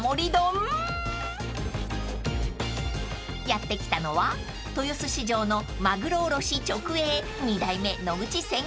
［やって来たのは豊洲市場のマグロ卸直営］